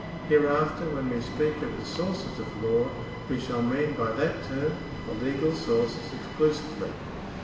Hereafter, when we speak of the sources of law, we shall mean by that term the legal sources exclusively.